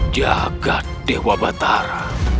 jagat dewa batara